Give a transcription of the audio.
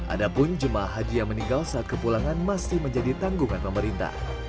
adapun jemaah haji yang meninggal saat kepulangan masih menjadi tanggungan pemerintah